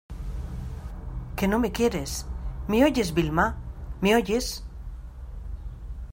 que no me quieres! ¿ me oyes, Vilma? ¿ me oyes ?